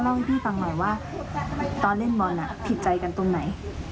ให้พี่ฟังหน่อยว่าตอนเล่นบอลผิดใจกันตรงไหน